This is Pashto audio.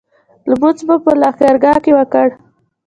لمونځ مو په لښکرګاه کې وکړ.